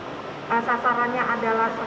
sasarannya adalah semua masyarakat yang berada di bawah